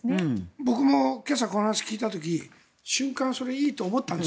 僕も今朝、この話を聞いた時瞬間それはいいと思ったんです。